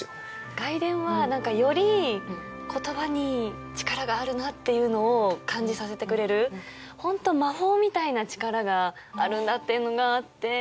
『外伝』はより言葉に力があるなっていうのを感じさせてくれるホント魔法みたいな力があるんだっていうのがあって。